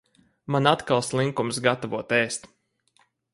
Man atkal slinkums gatavot ēst.